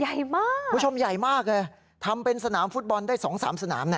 ใหญ่มากคุณผู้ชมใหญ่มากเลยทำเป็นสนามฟุตบอลได้สองสามสนามนะ